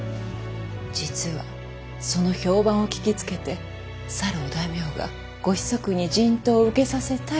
実はその評判を聞きつけてさるお大名がご子息に人痘を受けさせたいと言ってきてな。